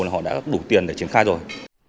là họ đã đủ tiền để triển khai rồi